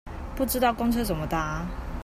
不知道公車怎麼搭